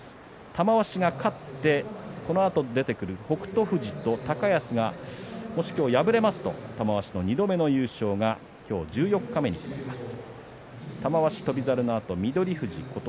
玉鷲が勝ってこのあと出てくる北勝富士と高安がもし今日敗れますと玉鷲の２度目の優勝が今日十四日目に決まります。